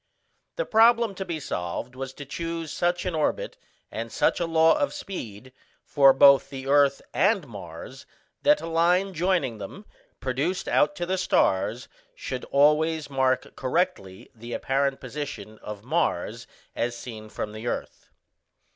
The problem to be solved was to choose such an orbit and such a law of speed, for both the earth and Mars, that a line joining them, produced out to the stars, should always mark correctly the apparent position of Mars as seen from the earth.